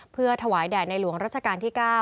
เพื่อถวายแด่ในหลวงรัชกาลที่๙